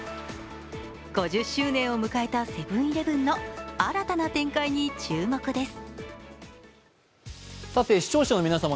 ５０周年を迎えたセブン−イレブンの新たな展開に注目です。